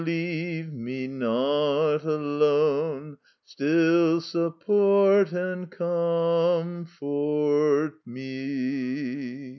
leave me no ot alone, Still support and co omfort me."